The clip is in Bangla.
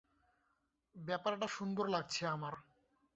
ব্যাপারটা সুন্দর লাগছে আমার।